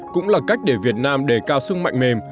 cũng là cách để việt nam đề cao sức mạnh mềm